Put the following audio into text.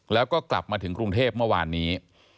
แล้วก็กลับมาถึงกรุงเทพเมื่อวานนี้